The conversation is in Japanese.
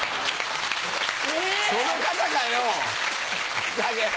その肩かよ！